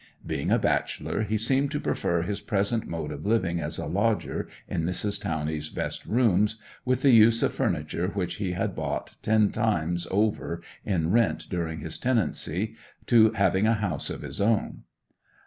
Being a bachelor he seemed to prefer his present mode of living as a lodger in Mrs. Towney's best rooms, with the use of furniture which he had bought ten times over in rent during his tenancy, to having a house of his own.